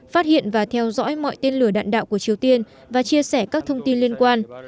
phát hiện và theo dõi mọi tên lửa đạn đạo của triều tiên và chia sẻ các thông tin liên quan